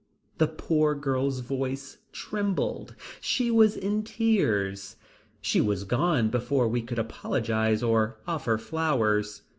The poor girl's voice trembled. She was in tears. She was gone before we could apologize or offer flowers.